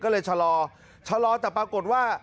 ก็เลยชะลอชะลอแต่ปรากฏว่า